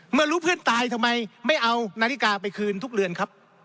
เมื่อรู้เพื่อนตายทำไมไม่เอานาฬิกาไปคืนทุกเรือนครับ